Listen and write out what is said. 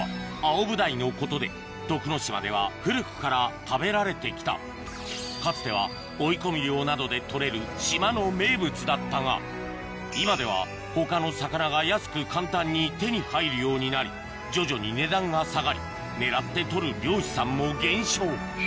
徳之島では古くから食べられて来たかつては追い込み漁などで取れる島の名物だったが今では他の魚が安く簡単に手に入るようになり徐々に値段が下がり狙って取る漁師さんも減少